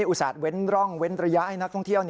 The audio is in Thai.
อุตส่าหเว้นร่องเว้นระยะให้นักท่องเที่ยว